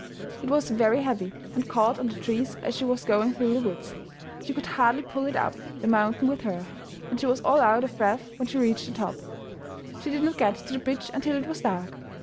It was very heavy, and caught on the trees as she was going through the wood. She could hardly pull it up the mountain with her, and she was all out of breath when she reached the top. She did not get to the bridge until it was dark.